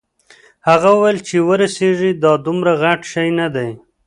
هغه وویل چې ورسیږې دا دومره غټ شی نه دی.